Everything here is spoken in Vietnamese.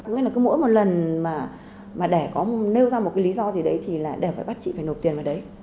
nên là cứ mỗi một lần mà để có nêu ra một cái lý do gì đấy thì là đều phải bắt chị phải nộp tiền vào đấy